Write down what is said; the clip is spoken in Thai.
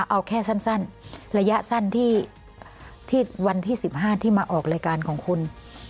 เอาแค่สั้นระยะสั้นที่วันที่๑๕ที่มาออกรายการของคุณ